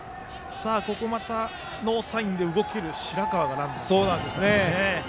ここまたノーサインで動ける白川がランナー。